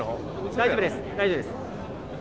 大丈夫です。